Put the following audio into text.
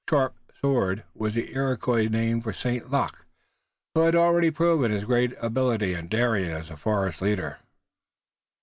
Sharp Sword was the Iroquois name for St. Luc, who had already proved his great ability and daring as a forest leader.